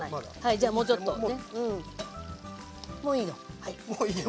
じゃあもうちょっとね。